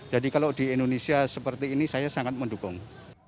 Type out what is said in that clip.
jadi kalau di indonesia seperti ini saya sangat mendukung